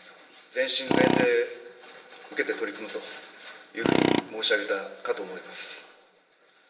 全身全霊をかけて取り組むというふうに申し上げたかと思います。